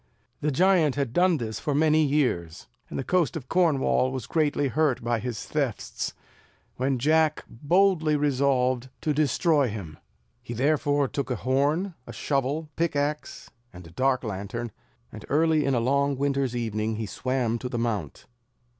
The giant had done this for many years, and the coast of Cornwall was greatly hurt by his thefts, when Jack boldly resolved to destroy him. He therefore took a horn, a shovel, pickaxe, and a dark lantern, and early in a long winter's evening he swam to the mount.